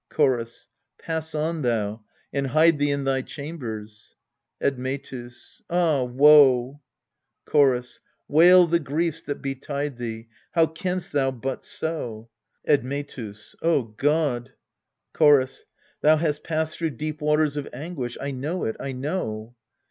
Chorus. Pass on thou, and hide thee In thy chambers. Admetus. Ah woe ! Chorus. Wail the griefs that betide thee : How canst thou but so? Admetus. O God ! Chorus. Thou hast passed through deep waters of anguish I know it, I know.